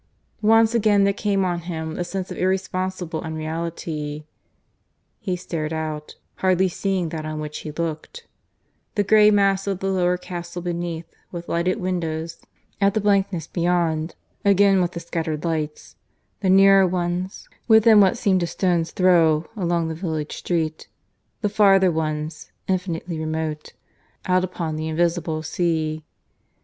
Once again there came on him the sense of irresponsible unreality. ... He stared out, hardly seeing that on which he looked: the grey mass of the lower castle beneath with lighted windows, at the blankness beyond, again with the scattered lights the nearer ones, within what seemed a stone's throw, along the village street the farther ones, infinitely remote, out upon the invisible sea.